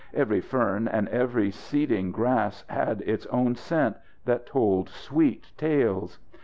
Every fern and every seeding grass had its own scent that told sweet tales.